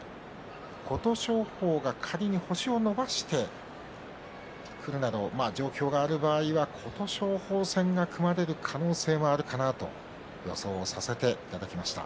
琴勝峰が仮に星を伸ばしてくるなどの状況がある場合琴勝峰戦が組まれる場合があるかなと予想をさせていただきました。